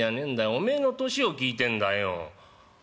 おめえの年を聞いてんだよ」。